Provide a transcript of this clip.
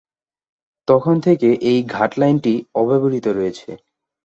তখন থেকে এই ঘাট লাইনটি অব্যবহৃত রয়েছে।